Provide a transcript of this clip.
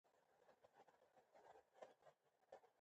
رسوب د افغانستان د اقلیمي نظام یوه ښه ښکارندوی ده.